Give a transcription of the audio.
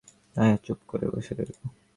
একবার হাত উলটিয়ে মুখ বাঁকিয়ে আয়া চুপ করে বসে রইল।